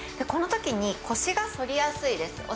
このときに腰がそりやすいです。